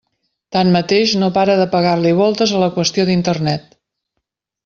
Tanmateix, no para de pegar-li voltes a la qüestió d'Internet.